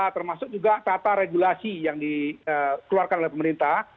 termasuk juga tata regulasi yang dikeluarkan oleh pemerintah